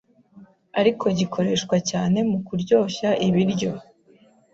ariko gikoreshwa cyane mu kuryoshya ibiryo.